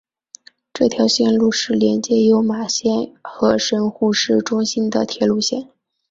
这条线路是连接有马线和神户市中心的铁路线。